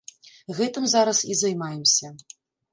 Гэтым зараз і займаемся.